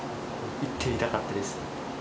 行ってみたかったです。